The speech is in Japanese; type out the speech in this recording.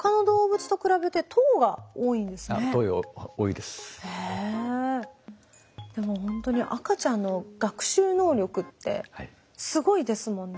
でもほんとに赤ちゃんの学習能力ってすごいですもんね。